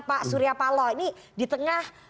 pak suryapalo ini di tengah